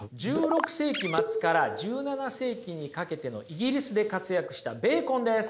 １６世紀末から１７世紀にかけてのイギリスで活躍したベーコンです。